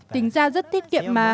tính ra rất thiết kiệm mà